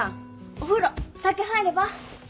お風呂先入れば？